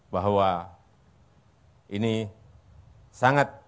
bahwa ini sangat dipercaya